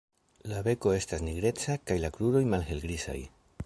La beko estas nigreca kaj la kruroj malhelgrizaj.